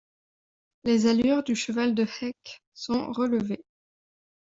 Les allures du cheval de Heck sont relevées.